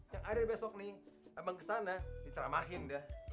yang ada besok nih abang kesana diceramahin dah